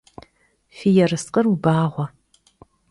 Fi yêrıskhır vubağue!